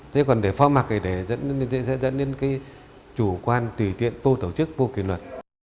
thế còn để phó mặt thì để dẫn đến cái chủ quan tùy tiện vô tổ chức vô kỷ luật